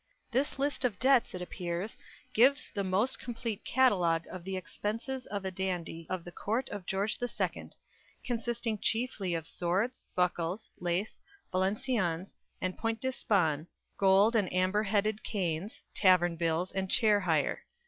This list of debts, it appears, gives "the most complete catalogue of the expenses of a dandy of the Court of George II, consisting chiefly of swords, buckles, lace, Valenciennes and point d'Espagne, gold and amber headed canes, tavern bills and chair hire."